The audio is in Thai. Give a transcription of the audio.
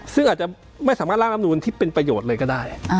ซึ่งอาจจะไม่สามารถร่างรับนูนที่เป็นประโยชน์เลยก็ได้